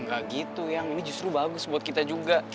nggak gitu yang ini justru bagus buat kita juga